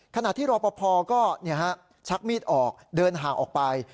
ขณะที่รอปภก็ชักมีดออกเดินห่างออกไป